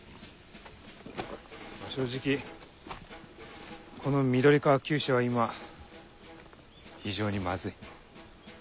正直この緑川厩舎は今非常にまずい。